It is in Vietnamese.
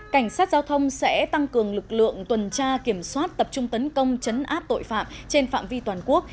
cảnh sát giao thông sẽ tăng cường lực lượng tuần tra kiểm soát tập trung tấn công chấn áp tội phạm trên phạm vi toàn quốc